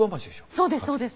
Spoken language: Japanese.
そうです